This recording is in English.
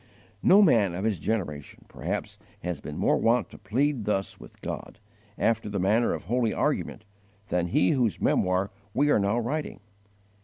No man of his generation, perhaps, has been more wont to plead thus with God, after the manner of holy argument, than he whose memoir we are now writing.